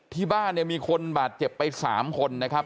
ที่บ้านเนี่ยมีคนบาดเจ็บไป๓คนนะครับ